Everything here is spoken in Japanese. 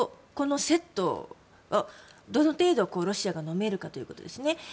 このセットを、どの程度ロシアがのめるかということですね。